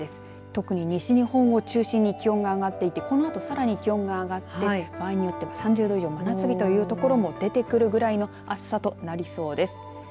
特に西日本を中心に気温が上がっていてこのあとさらに気温が上がって場合によって、３０度以上の真夏日という所も出てくるぐらいの暑さとなりそうです。